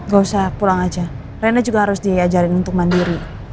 gausah pulang aja reyna juga harus diajarin untuk mandiri